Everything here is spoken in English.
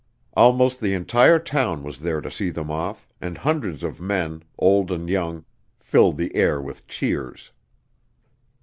Almost the entire town was there to see them off, and hundreds of men, old and young, filled the air with cheers.